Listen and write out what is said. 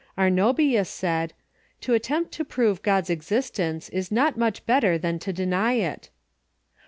Arnobius said, " To attempt to prove God's existence is not much better than to deny it."